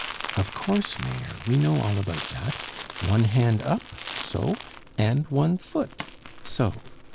"Of course, Mayor, we know all about that. One hand up so and one foot so!"